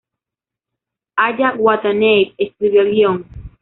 Aya Watanabe escribió el guion.